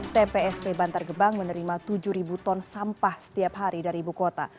tpst bantar gebang menerima tujuh ton sampah setiap hari dari ibu kota